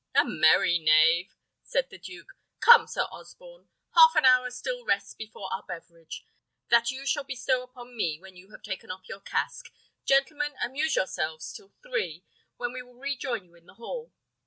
"A merry knave!" said the duke. "Come, Sir Osborne, half an hour still rests before our beverage; that you shall bestow upon me, when you have taken off your casque. Gentlemen, amuse yourselves till three, when we will rejoin you in the hall."